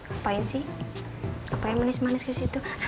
apaan sih apaan manis manis ke situ